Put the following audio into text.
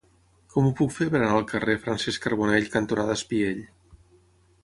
Com ho puc fer per anar al carrer Francesc Carbonell cantonada Espiell?